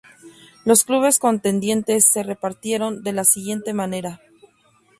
Los clubes contendientes se repartieron de la siguiente manera.